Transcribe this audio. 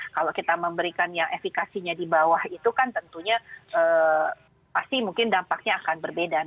kalau kita memberikan yang efikasinya di bawah itu kan tentunya pasti mungkin dampaknya akan berbeda